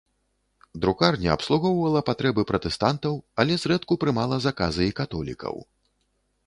Друкарня абслугоўвала патрэбы пратэстантаў, але зрэдку прымала заказы і католікаў.